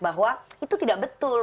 bahwa itu tidak betul